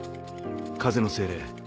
風の精霊